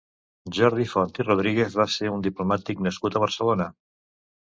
Jordi Font i Rodríguez va ser un diplomàtic nascut a Barcelona.